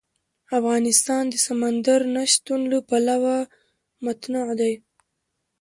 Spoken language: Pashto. افغانستان د سمندر نه شتون له پلوه متنوع دی.